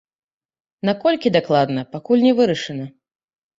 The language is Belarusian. Наколькі дакладна, пакуль не вырашана.